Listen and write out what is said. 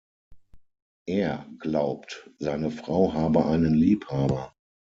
Er glaubt, seine Frau habe einen Liebhaber.